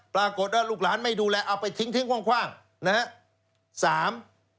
ปรากฏว่าลูกหลานไม่ดูแลเอาไปทิ้งคว่างนะครับ